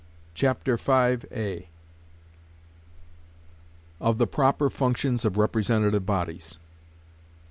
Chapter V Of the Proper Functions of Representative Bodies.